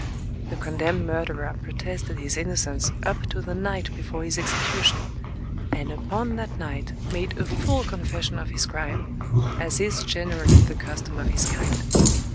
The condemned murderer protested his innocence up to the night before his execution, and upon that night made a full confession of his crime, as is generally the custom of his kind.